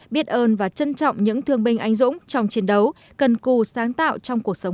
biết ơn và trân trọng những thương binh anh dũng trong chiến đấu cần cù sáng tạo trong cuộc sống